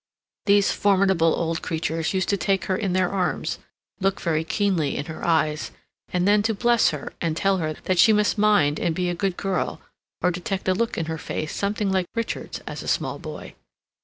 These formidable old creatures used to take her in their arms, look very keenly in her eyes, and then to bless her, and tell her that she must mind and be a good girl, or detect a look in her face something like Richard's as a small boy.